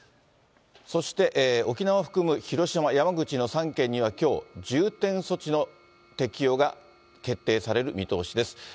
そして沖縄を含む広島、山口の３県にはきょう、重点措置の適用が決定される見通しです。